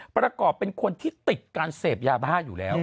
ประกอบเป็นคนที่ติดการเสพยาบ้าอยู่แล้ว